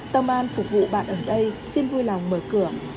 tâm an phục vụ bạn ở đây xin vui lòng mở cửa